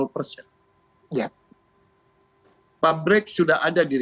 pabrik sudah ada di rp satu